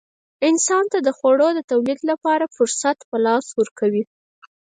انسان ته د خوړو د تولید لپاره فرصت په لاس ورکوي.